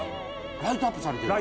ライトアップされてる。